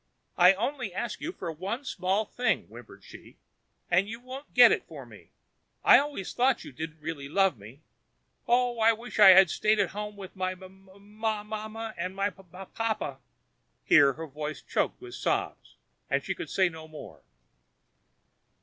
"I only ask you for one small thing," whimpered she, "and you won't get it for me. I always thought you didn't really love me. Oh! I wish I had stayed at home with my own m m m mama and my own papa a a a!" Here her voice choked with sobs, and she could say no more.